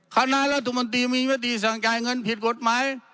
คณะรัฐบาลมีวัตติสั่งกายเงินผิดกฎหมาย